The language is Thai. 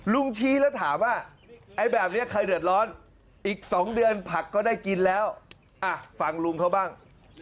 ชี้แล้วถามว่าไอ้แบบนี้ใครเดือดร้อนอีก๒เดือนผักก็ได้กินแล้วอ่ะฟังลุงเขาบ้าง